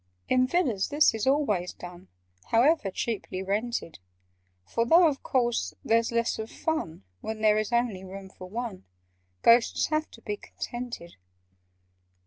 "In Villas this is always done— However cheaply rented: For, though of course there's less of fun When there is only room for one, Ghosts have to be contented.